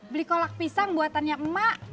beli kolak pisang buatan yakma